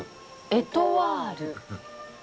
『エトワール』。